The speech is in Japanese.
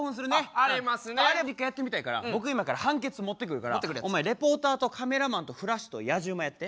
あれ一回やってみたいから僕今から判決持ってくるからお前レポーターとカメラマンとフラッシュとやじ馬やって。